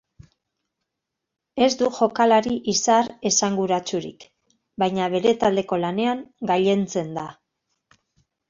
Ez du jokalari izar esanguratsurik, baina bere taldekako lanean gailentzen da.